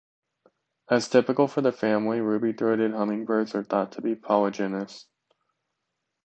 As typical for their family, ruby-throated hummingbirds are thought to be polygynous.